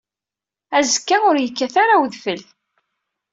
Azekka ur yekkat ara udfel.